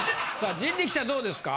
人力舎どうですか？